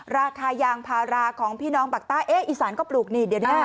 ราคายางพาราของพี่น้องปากใต้เอ๊ะอีสานก็ปลูกนี่เดี๋ยวนี้